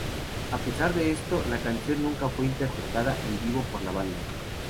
A pesar de esto, la canción nunca fue interpretada en vivo por la banda.